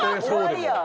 終わりや。